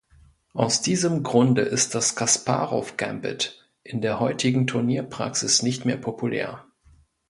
Aus diesem Grunde ist das Kasparow-Gambit in der heutigen Turnierpraxis nicht mehr populär.